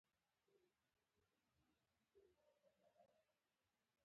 بزګر ته د کر وخت عبادت وخت دی